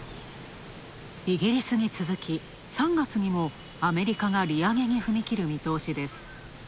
イギリスに続き、３月にもアメリカが利上げに踏み切る見通し。